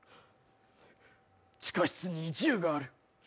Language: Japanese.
地下室に銃がある。